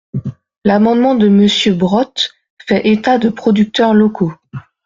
L’amendement de Monsieur Brottes fait état de producteurs locaux.